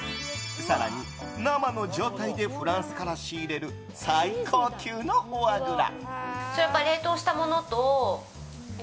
更に、生の状態でフランスから仕入れる最高級のフォアグラ。